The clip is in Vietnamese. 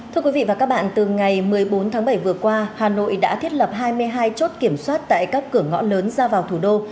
thưa quý vị và các bạn từ ngày một mươi bốn tháng bảy vừa qua hà nội đã thiết lập hai mươi hai chốt kiểm soát tại các cửa ngõ lớn ra vào thủ đô